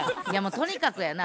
とにかくやな